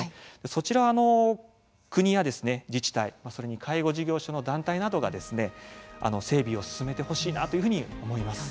そちら、国や自治体それに介護事業所の団体などが整備を進めてほしいなというふうに思います。